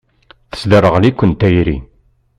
Tesderɣel-iken tayri.